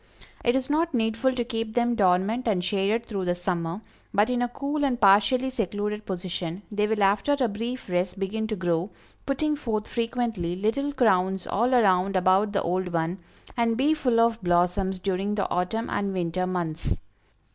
It is not needful to keep them dormant and shaded through the summer, but in a cool and partially secluded position, they will after a brief rest begin to grow, putting forth frequently little crowns all around about the old one, and be full of blossoms during the autumn and winter months.